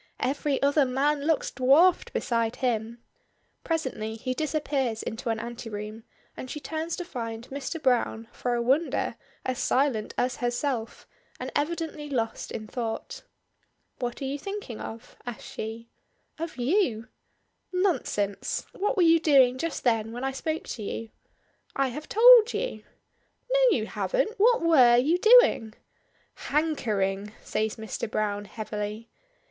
Every other man looks dwarfed beside him. Presently he disappears into an anteroom, and she turns to find Mr. Browne, for a wonder, as silent as herself, and evidently lost in thought. "What are you thinking of?" asks she. "Of you!" "Nonsense! What were you doing just then when I spoke to you?" "I have told you." "No, you haven't. What were you doing?" "Hankering!" says Mr. Browne, heavily.